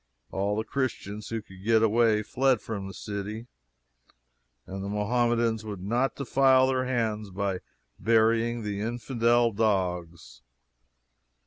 All the Christians who could get away fled from the city, and the Mohammedans would not defile their hands by burying the "infidel dogs."